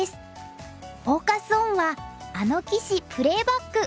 フォーカス・オンは「あの棋士プレーバック！